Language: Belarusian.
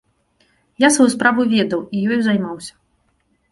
Я сваю справу ведаў і ёю займаўся.